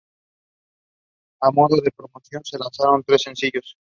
A modo de promoción se lanzaron tres sencillos.